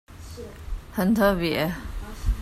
很特別